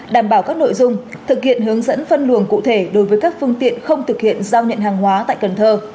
đảm bảo các nội dung thực hiện hướng dẫn phân luồng cụ thể đối với các phương tiện không thực hiện giao nhận hàng hóa tại cần thơ